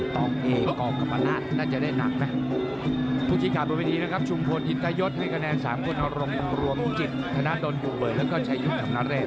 ถ้านั้นโดนบุเบิร์ตแล้วก็ใช้ยุทธ์ของนัทเรศ